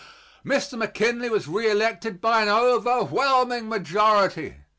Mr. McKinley was reelected by an overwhelming majority.